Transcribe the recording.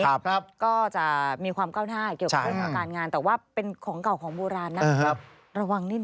แล้วก็จะมีความก้าวหน้าเกี่ยวพันกับการงานแต่ว่าเป็นของเก่าของโบราณนะครับ